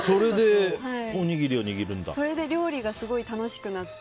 それで料理がすごく楽しくなって。